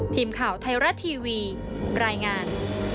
ทีมข่าวไทยรัฐทีวีรายงาน